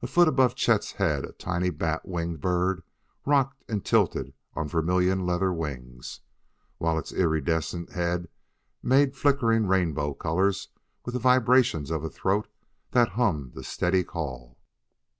A foot above Chet's head a tiny bat winged bird rocked and tilted on vermilion leather wings, while its iridescent head made flickering rainbow colors with the vibrations of a throat that hummed a steady call.